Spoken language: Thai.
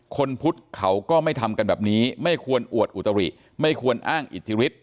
คนพุทธเขาก็ไม่ทำกันแบบนี้ไม่ควรอวดอุตริไม่ควรอ้างอิทธิฤทธิ